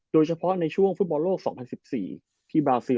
โดยเฉพาะในช่วงฟุตบอลโลก๒๐๑๔ที่บราซิล